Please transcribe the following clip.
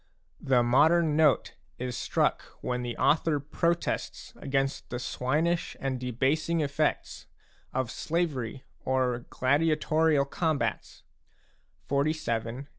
The modern note is struck when the author protests against the swinish and debasing effects of slavery or gladiatorial com bats (XLVII.